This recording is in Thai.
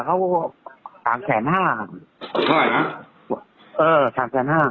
ประมาณนั้น